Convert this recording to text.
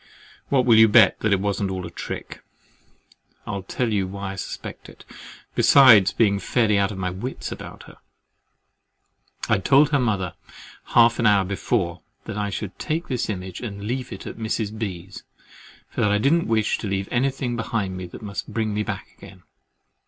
What will you bet me that it wasn't all a trick? I'll tell you why I suspect it, besides being fairly out of my wits about her. I had told her mother half an hour before, that I should take this image and leave it at Mrs. B.'s, for that I didn't wish to leave anything behind me that must bring me back again.